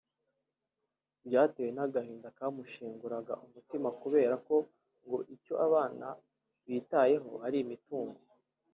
byatewe n’agahinda kamushenguraga umutima kubera ko ngo icyo abana bitayeho ari imitungo